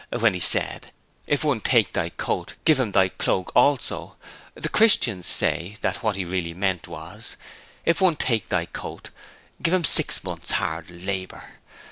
When He said, 'If one take thy coat, give him thy cloak also,' the 'Christians' say that what He really meant was: 'If one take thy coat, give him six months' hard labour.